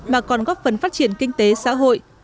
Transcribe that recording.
mà còn góp phần phát triển kinh tế xã hội